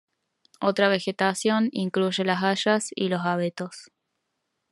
Otra vegetación incluye las hayas y los abetos.